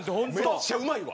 めっちゃうまいわ。